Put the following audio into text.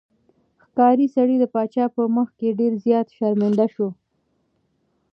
ښکاري سړی د پاچا په مخ کې ډېر زیات شرمنده شو.